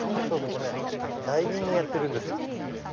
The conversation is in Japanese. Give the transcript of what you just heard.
ここねダイビングやってるんですよ。